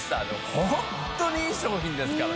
ホントにいい商品ですからね。